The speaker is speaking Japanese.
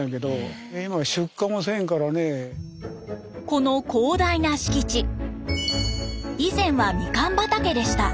この広大な敷地以前はみかん畑でした。